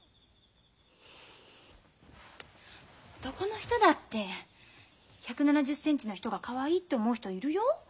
男の人だって１７０センチの人がかわいいって思う人いるよ。